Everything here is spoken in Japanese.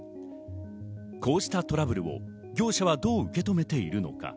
こうしたトラブルを業者はどう受け止めているのか。